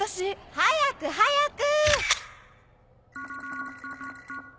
早く早く！